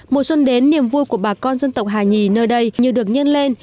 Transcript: mùa xuân đến niềm vui của bà con dân tộc hà nhì nơi đây như được nhân lên